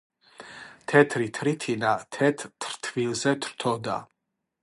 თეთრი თრითინა, თეთრ თრთვილზე თრთოდა